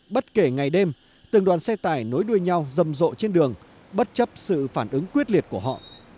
bất kể ngày đêm từng đoàn xe tải nối đuôi nhau rầm rộ trên đường bất chấp sự phản ứng quyết liệt của họ